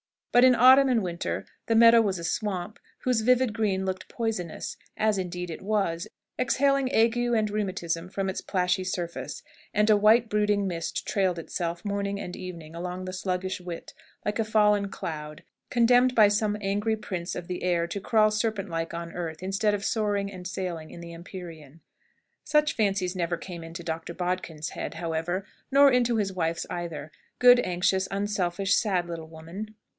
But in autumn and winter the meadow was a swamp, whose vivid green looked poisonous as indeed it was, exhaling ague and rheumatism from its plashy surface and a white brooding mist trailed itself, morning and evening, along the sluggish Whit, like a fallen cloud, condemned by some angry prince of the air to crawl serpent like on earth, instead of soaring and sailing in the empyrean. Such fancies never came into Doctor Bodkin's head, however, nor into his wife's either good, anxious, unselfish, sad, little woman!